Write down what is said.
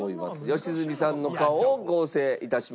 良純さんの顔を合成致しました。